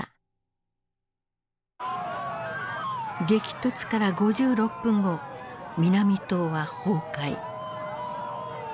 激突から５６分後南棟は崩壊。